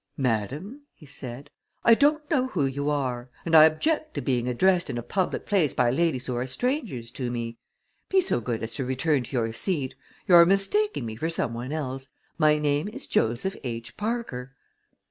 "Madam," he said, "I don't know who you are, and I object to being addressed in a public place by ladies who are strangers to me. Be so good as to return to your seat. You are mistaking me for some one else. My name is Joseph H. Parker."